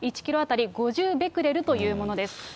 １キロ当たり５０ベクレルというものです。